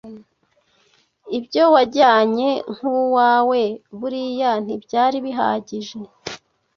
Ibyo wajyanye nk’uwawe buriya ntibyari bihagije